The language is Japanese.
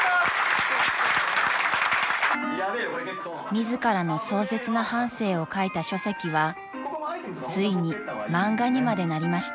［自らの壮絶な半生を書いた書籍はついに漫画にまでなりました］